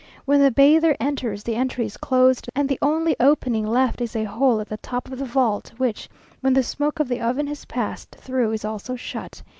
When the bather enters the entry is closed, and the only opening left is a hole at the top of the vault, which, when the smoke of the oven has passed through, is also shut.